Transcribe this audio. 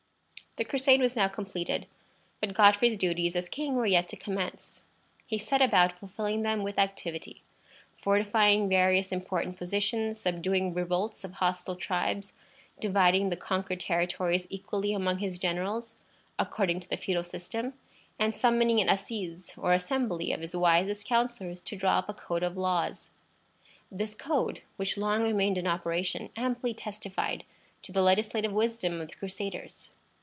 The Crusade was now completed, but Godfrey's duties as king were yet to commence. He set about fulfilling them with activity, fortifying various important positions, subduing revolts of hostile tribes, dividing the conquered territories equally among his generals, according to the feudal system, and summoning an Assize, or Assembly of his wisest councillors to draw up a code of laws. This code, which long remained in operation, amply testified to the legislative wisdom of the Crusaders.